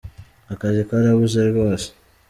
Akazi karabuze rwose.